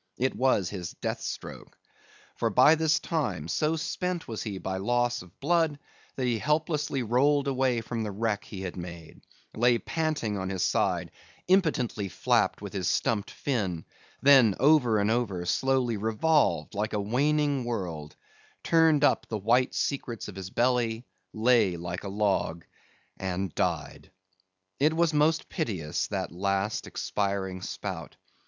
It was his death stroke. For, by this time, so spent was he by loss of blood, that he helplessly rolled away from the wreck he had made; lay panting on his side, impotently flapped with his stumped fin, then over and over slowly revolved like a waning world; turned up the white secrets of his belly; lay like a log, and died. It was most piteous, that last expiring spout.